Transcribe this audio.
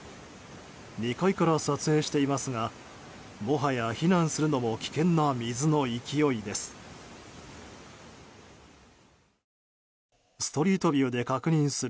２階から撮影していますがもはや、避難するのも危険な水の勢いです。